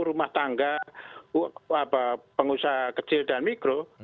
rumah tangga pengusaha kecil dan mikro